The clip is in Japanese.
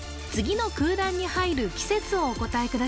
次の空欄に入る季節をお答え